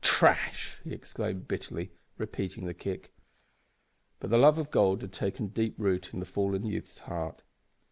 "Trash!" he exclaimed, bitterly, repeating the kick. But the love of gold had taken deep root in the fallen youth's heart.